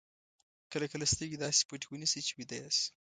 کله کله سترګې داسې پټې ونیسئ چې ویده یاست.